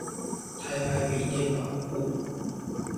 台牌筆電保固